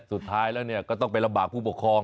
สุดท้ายแล้วก็ต้องไปลำบากผู้ปกครอง